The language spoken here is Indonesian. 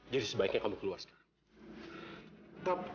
jadi sebaiknya kamu keluar sekarang